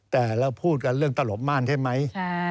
แต่เราพูดกันเรื่องตลบม่านใช่ไหม